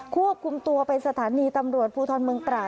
ควบคุมตัวไปสถานีตำรวจภูทรเมืองตราด